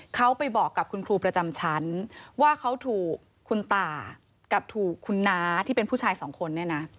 เขาไปบอกกับคุณครูประจำชั้นว่าเขาถูกคุณตากับถูกคุณน้าที่เป็นผู้ชายสองคนเนี่ยนะ